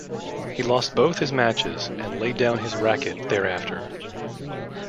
He lost both his matches and laid down his racket thereafter.